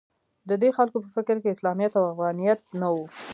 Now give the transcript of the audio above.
د دې خلکو په فکر کې اسلامیت او افغانیت نه و